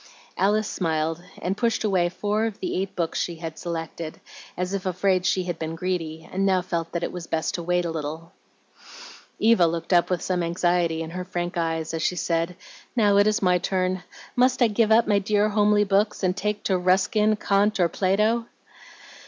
Alice smiled, and pushed away four of the eight books she had selected, as if afraid she had been greedy, and now felt that it was best to wait a little. Eva looked up with some anxiety in her frank eyes as she said, "Now it is my turn. Must I give up my dear homely books, and take to Ruskin, Kant, or Plato?"